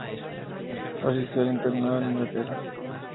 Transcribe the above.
Asistió al internado en Inglaterra.